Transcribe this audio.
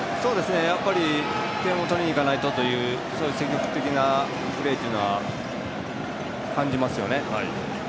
やっぱり点を取りにいかないとという積極的なプレーというのは感じますよね。